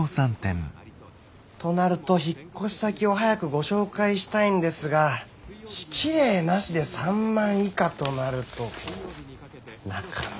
となると引っ越し先を早くご紹介したいんですが敷礼なしで３万以下となるとなかなか。